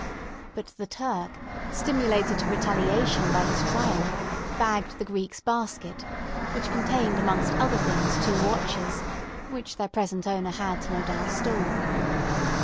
But the Turk, stimulated to retaliation by his triumph, bagged the Greek's basket, which contained amongst other things two watches, which their present owner had no doubt stolen.